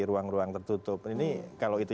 ruang ruang tertutup ini kalau itu